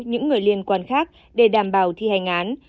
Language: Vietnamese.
những người liên quan khác để đảm bảo thi hành án